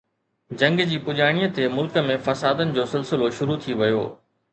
جنگ جي پڄاڻيءَ تي ملڪ ۾ فسادن جو سلسلو شروع ٿي ويو.